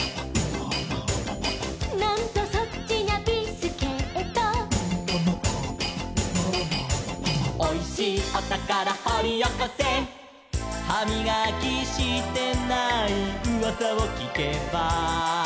「なんとそっちにゃビスケット」「おいしいおたからほりおこせ」「はみがきしてないうわさをきけば」